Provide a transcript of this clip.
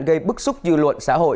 gây bức xúc dư luận xã hội